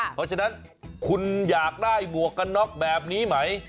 เพราะฉะนั้นคุณอยากได้หมวกกันน็อกแบบนี้ไหม